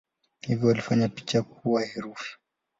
Hivyo walifanya picha kuwa herufi.